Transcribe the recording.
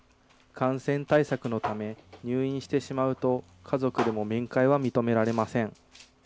感染対策のため、入院してしまうと、家族でも面会は認められません。